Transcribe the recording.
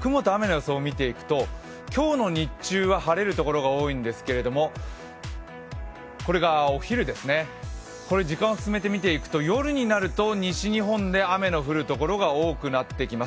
雲と雨の予想を見ていくと今日の日中は晴れるところが多いんですけれども、これがお昼ですね、時間を進めて見ていくと夜になると西日本で雨の降るところが多くなってきます。